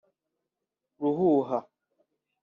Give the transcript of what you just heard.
Ruhuha